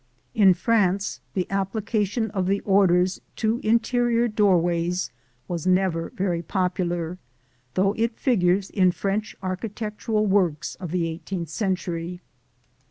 ] In France the application of the orders to interior doorways was never very popular, though it figures in French architectural works of the eighteenth century.